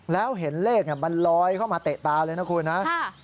แล้วเห็นเลขมันลอยเข้ามาเตะตาเลยนะคุณนะ